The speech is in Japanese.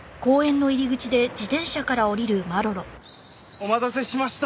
お待たせしました。